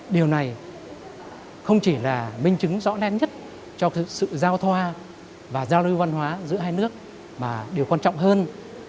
điều này không chỉ là minh chứng rõ nét nhất cho sự giao thoa và giao lưu văn hóa giữa hai nước mà điều quan trọng hơn